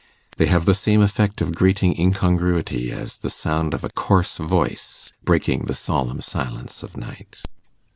They have the same effect of grating incongruity as the sound of a coarse voice breaking the solemn silence of night.